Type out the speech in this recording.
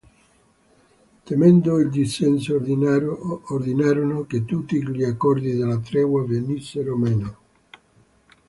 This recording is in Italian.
Temendo il dissenso, ordinarono che tutti gli accordi della tregua venissero meno.